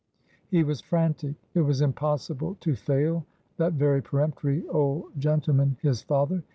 He was frantic. It was impossible to fail that very peremptory old gentleman, his father.